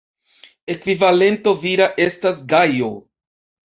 Ekvivalento vira estas Gajo.